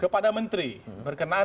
kalau tidak pemerintah yang berkeadilan